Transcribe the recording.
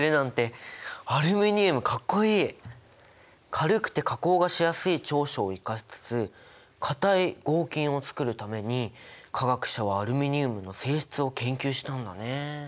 軽くて加工がしやすい長所を生かしつつ硬い合金をつくるために化学者はアルミニウムの性質を研究したんだね。